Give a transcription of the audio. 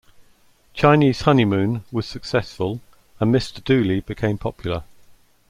"Chinese Honeymoon" was successful and "Mr. Dooley" became popular.